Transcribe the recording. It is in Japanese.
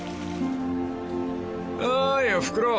［おーいおふくろ］